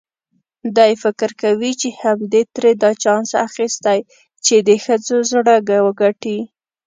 دی فکر کوي چې همدې ترې دا چانس اخیستی چې د ښځو زړه وګټي.